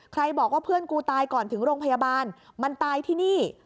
บอกว่าเพื่อนกูตายก่อนถึงโรงพยาบาลมันตายที่นี่